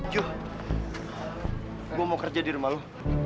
juh gue mau kerja di rumah lo